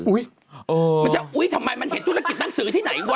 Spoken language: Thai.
มันจะอุ๊ยทำไมมันเห็นธุรกิจหนังสือที่ไหนวะ